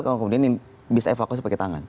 kalau kemudian bisa evakuasi pakai tangan